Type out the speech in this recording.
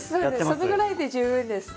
そのぐらいで十分です。